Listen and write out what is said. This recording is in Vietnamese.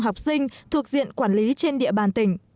học sinh thuộc diện quản lý trên địa bàn tỉnh